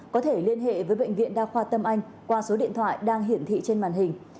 có thể liên hệ với bệnh viện đa khoa tâm anh qua số điện thoại đang hiển thị trên màn hình